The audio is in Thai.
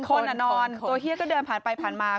คนนอนตัวเฮียก็เดินผ่านไปผ่านมา